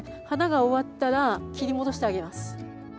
花が終わったら切り戻してあげます。